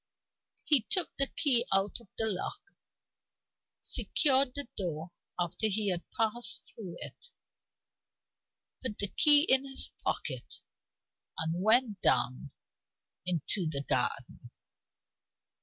He took the key out of the lock; secured the door after he had passed through it; put the key in his pocket, and went down into the garden.